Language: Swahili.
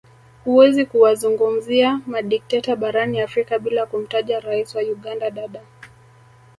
Huwezi kuwazungumzia madikteta barani afrika bila kumtaja Rais wa Uganda Dada